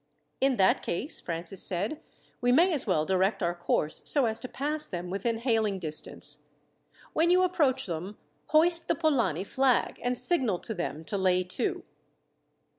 "In that case," Francis said, "we may as well direct our course so as to pass them within hailing distance. When you approach them, hoist the Polani flag, and signal to them to lay to."